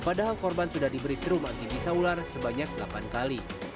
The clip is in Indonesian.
padahal korban sudah diberi serum anti bisa ular sebanyak delapan kali